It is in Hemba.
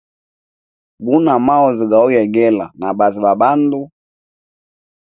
Guna maozi gauyegela na baazi ba bandu.